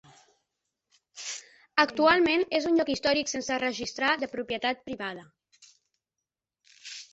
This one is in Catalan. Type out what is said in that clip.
Actualment, és un lloc històric sense registrar de propietat privada.